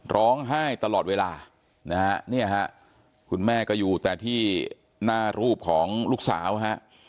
ร้องไห้ตลอดเวลานะฮะเนี่ยฮะคุณแม่ก็อยู่แต่ที่หน้ารูปของลูกสาวฮะ